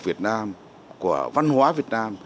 việt nam của văn hóa việt nam